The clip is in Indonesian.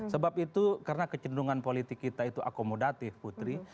sebab itu karena kecenderungan politik kita itu akomodatif putri